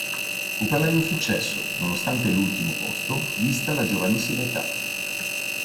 Fu per lei un successo nonostante l'ultimo posto, vista la giovanissima età.